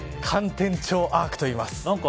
環天頂アークといいます。